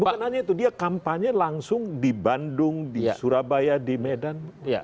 bukan hanya itu dia kampanye langsung di bandung di surabaya di medan